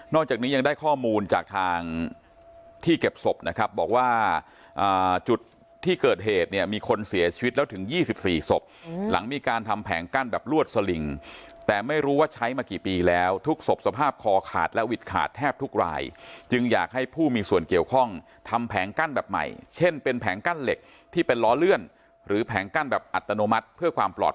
จากนี้ยังได้ข้อมูลจากทางที่เก็บศพนะครับบอกว่าจุดที่เกิดเหตุเนี่ยมีคนเสียชีวิตแล้วถึง๒๔ศพหลังมีการทำแผงกั้นแบบลวดสลิงแต่ไม่รู้ว่าใช้มากี่ปีแล้วทุกศพสภาพคอขาดและวิดขาดแทบทุกรายจึงอยากให้ผู้มีส่วนเกี่ยวข้องทำแผงกั้นแบบใหม่เช่นเป็นแผงกั้นเหล็กที่เป็นล้อเลื่อนหรือแผงกั้นแบบอัตโนมัติเพื่อความปลอด